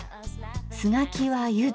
酢がきはゆずで。